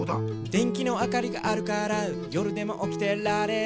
「でんきのあかりがあるからよるでもおきてられる」